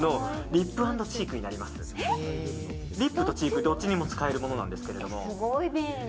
リップとチークどっちにも使えるものなんですけども。